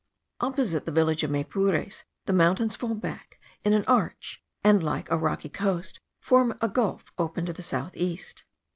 Opposite the village of Maypures, the mountains fall back in an arch, and, like a rocky coast, form a gulf open to the south east.